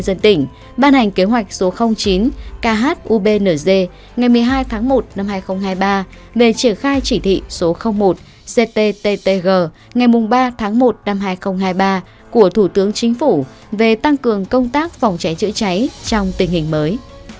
về triển khai chỉ thị số một ctttg ngày ba tháng một năm hai nghìn hai mươi ba của thủ tướng chính phủ về tăng cường công tác phòng cháy chữa cháy trong tình hình mới